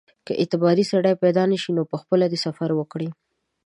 که اعتباري سړی پیدا نه شي نو پخپله دې سفر وکړي.